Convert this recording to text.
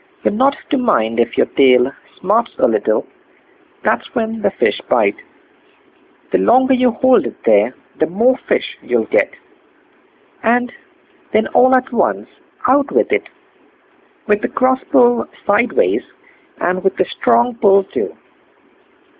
You're not to mind if your tail smarts a little; that's when the fish bite. The longer you hold it there the more fish you'll get; and then all at once out with it, with a cross pull sideways, and with a strong pull too."